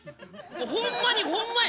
ホンマにホンマや！